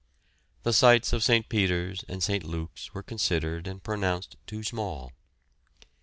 The sites of St. Peter's and St. Luke's were considered and pronounced too small.